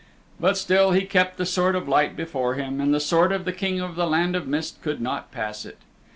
But still he kept the Sword of Light before him and the Sword of the King of the Land of Mist could not pass it.